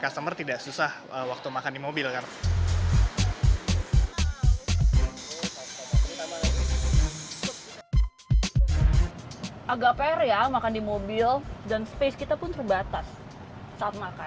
customer tidak susah waktu makan di mobil agak fair ya makan di mobil dan space kita pun terbatas saat makan